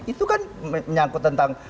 itu kan menyangkut tentang